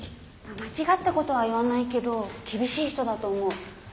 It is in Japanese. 間違ったことは言わないけど厳しい人だと思う。